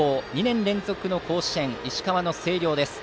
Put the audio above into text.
２年連続の甲子園石川の星稜です。